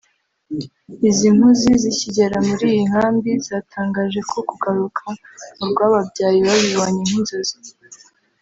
Izi mpuzi zikigera muri iyo nkambi zatangaje ko kugararuka mu Rwababyaye babibonye nk’inzozi